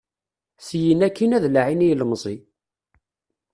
Syin akkin ad laɛin i yilemẓi.